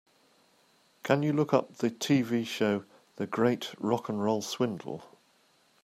Can you look up the TV show, The Great Rock 'n' Roll Swindle?